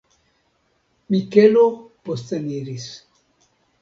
Mikelo posteniris.